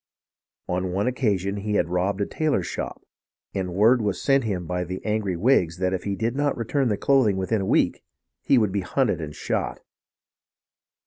On one occasion he had robbed a tailor's shop, and word was sent him by the angry Whigs that if he did not return the clothing within a week he would be hunted and shot.